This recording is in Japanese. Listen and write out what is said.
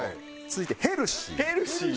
続いて「ヘルシー」。